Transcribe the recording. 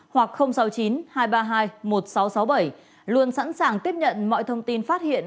hoặc sáu mươi chín hai trăm ba mươi hai một nghìn sáu trăm sáu mươi bảy luôn sẵn sàng tiếp nhận mọi thông tin phát hiện